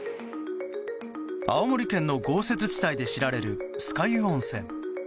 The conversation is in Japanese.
青森県の豪雪地帯で知られる酸ヶ湯温泉。